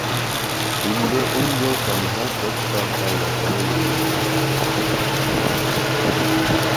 Инде ун йыл самаһы почта аша яҙҙырыу юлы менән таратабыҙ.